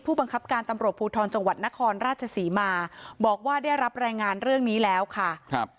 บังคับการตำรวจภูทรจังหวัดนครราชศรีมาบอกว่าได้รับรายงานเรื่องนี้แล้วค่ะครับ